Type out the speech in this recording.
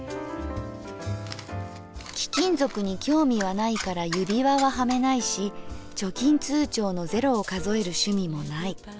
「貴金属に興味はないから指輪ははめないし貯金通帳の０を数える趣味もない。